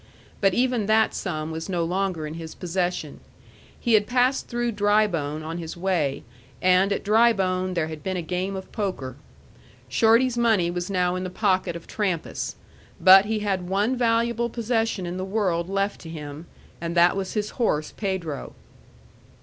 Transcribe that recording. But even that sum was no longer in his possession. He had passed through Drybone on his way, and at Drybone there had been a game of poker. Shorty's money was now in the pocket of Trampas. But he had one valuable possession in the world left to him, and that was his horse Pedro.